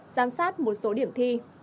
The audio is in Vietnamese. giám sát một số điểm thi